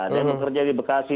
dan bekerja di bekasi